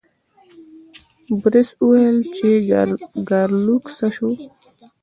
بوریس وویل چې ګارلوک څه شو.